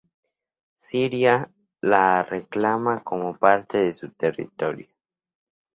Siria la reclama como parte de su territorio.